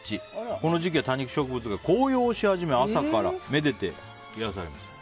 この時期は多肉植物が紅葉し始め朝からめでて癒やされる。